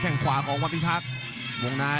ยังไงยังไง